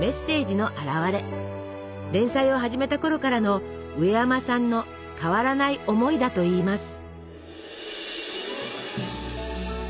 連載を始めたころからのうえやまさんの変わらない思いだといいます。